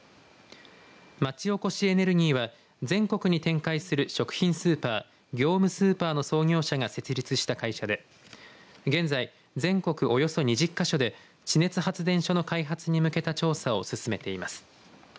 町おこしエネルギーは全国に展開する食品スーパー業務スーパーの創業者が設立した会社で現在、全国およそ２０か所で地熱発電所の開発に向けた調査を進めています。